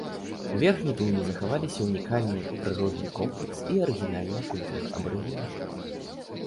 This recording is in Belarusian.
У верхняй плыні захаваліся ўнікальны прыродны комплекс і арыгінальная культура абарыгенаў.